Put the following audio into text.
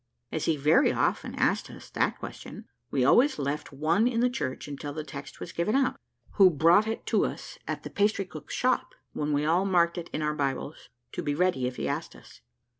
As he very often asked us that question, we always left one in the church until the text was given out, who brought it to us in the pastrycook's shop, when we all marked it in our Bibles to be ready if he asked us.